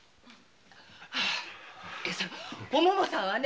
お桃さんがね